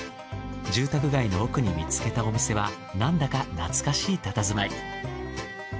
住宅街の奥に見つけたお店はなんだか懐かしい佇まい。